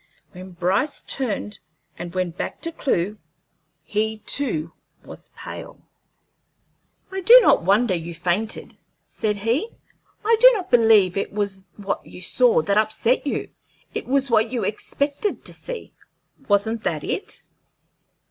When Bryce turned and went back to Clewe, he too was pale. "I do not wonder you fainted," said he. "I do not believe it was what you saw that upset you; it was what you expected to see wasn't that it?"